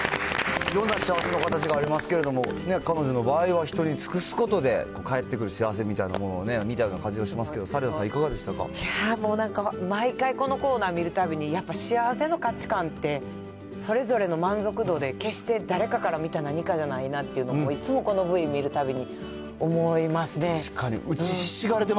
いろんな幸せの形がありますけれども、彼女の場合は人につくすことで、返ってくる幸せみたいなものを、見たような感じがしますけど、紗毎回このコーナー見るたびにやっぱ、幸せの価値観って、それぞれの満足度で、決して誰かから見た何かじゃないなっていうのを、いつもこのＶ見確かに。